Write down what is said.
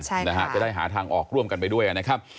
ใช่นะฮะจะได้หาทางออกร่วมกันไปด้วยนะครับ